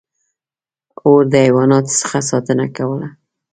• اور د حیواناتو څخه ساتنه کوله.